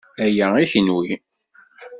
Aya i kenwi.